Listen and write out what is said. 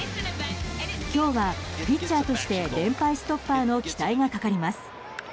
今日はピッチャーとして連敗ストッパーの期待がかかります。